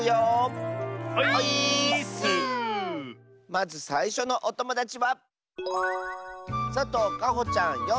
まずさいしょのおともだちはかほちゃんの。